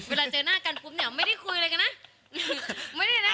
เวลาเจอหน้ากันไม่ได้คุยเลยกันนะ